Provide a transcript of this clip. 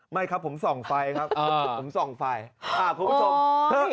ไม่ครับผมส่องไฟครับผมส่องไฟ